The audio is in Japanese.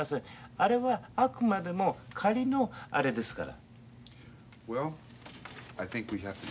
あれはあくまでも仮のあれですから。